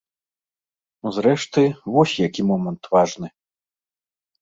Зрэшты, вось які момант важны.